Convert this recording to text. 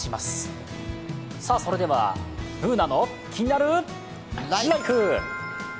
それでは「ＢｏｏｎａのキニナルＬＩＦＥ」。